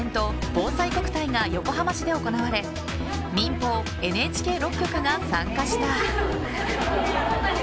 ぼうさいこくたいが横浜市で行われ民放・ＮＨＫ６局が参加した。